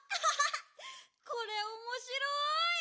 これおもしろい！